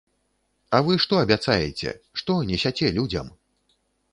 А вы што абяцаеце, што несяце людзям?